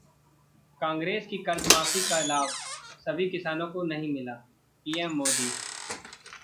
कांग्रेस की कर्जमाफी का लाभ सभी किसानों को नहीं मिला: पीएम मोदी